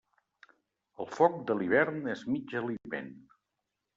El foc de l'hivern és mig aliment.